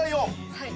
はい。